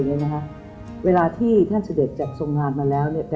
ทรงตามตรังเวลาที่ครับผมกำลัง